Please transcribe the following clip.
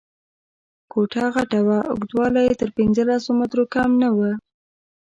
کوټه غټه وه، اوږدوالی یې تر پنځلس مترو کم نه و.